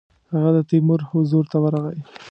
هغه د تیمور حضور ته ورغی.